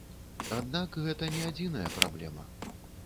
Аднак гэта не адзіная праблема.